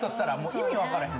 意味分からん。